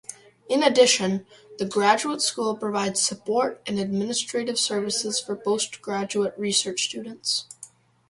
In addition, the Graduate School provides support and administrative services for postgraduate research students.